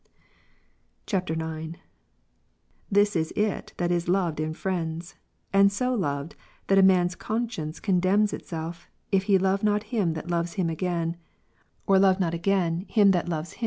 [IX.] 14. This is it that is loved in friends ; and so loved, that a man's conscience condemns itself, if he love not him that loves him again, or love not again him that loves him, p See above i.